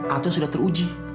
atau yang sudah teruji